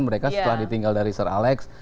mereka setelah ditinggal dari sar alex